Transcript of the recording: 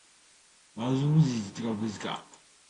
ما ځای وموند